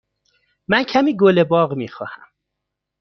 من کمی گل باغ می خواهم.